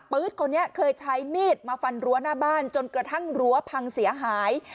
ื๊ดคนนี้เคยใช้มีดมาฟันรั้วหน้าบ้านจนกระทั่งรั้วพังเสียหาย